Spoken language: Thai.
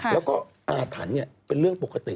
แล้วก็อาถรรพ์เป็นเรื่องปกติ